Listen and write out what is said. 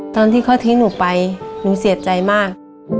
ตอนที่เขาทิ้งหนูไปหนูเสียใจมาก